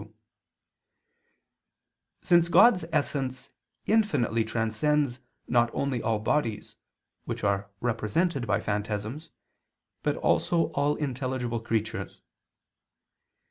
2], since God's essence infinitely transcends not only all bodies, which are represented by phantasms, but also all intelligible creatures.